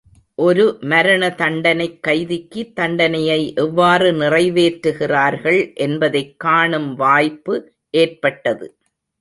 ஒரு மரண தண்டனைக் கைதிக்கு தண்டனையை எவ்வாறு நிறைவேற்றுகிறார்கள் என்பதைக் காணும் வாய்ப்பு ஏற்பட்டது.